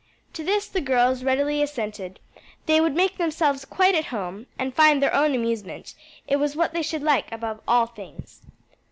To this the girls readily assented; "they would make themselves quite at home, and find their own amusement; it was what they should like above all things."